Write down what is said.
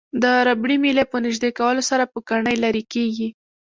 د ربړي میلې په نژدې کولو سره پوکڼۍ لرې کیږي.